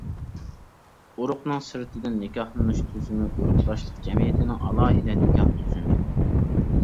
ئۇرۇقنىڭ سىرتتىن نىكاھلىنىش تۈزۈمى ئۇرۇقداشلىق جەمئىيىتىنىڭ ئالاھىدە نىكاھ تۈزۈمى.